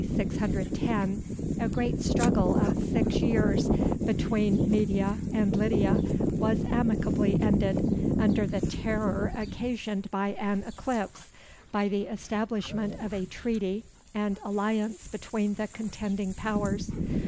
610 a great struggle of six years between Media and Lydia was amicably ended, under the terror occasioned by an eclipse, by the establishment of a treaty and alliance between the contending powers.